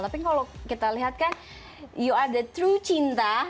tapi kalau kita lihat kan you at the thru cinta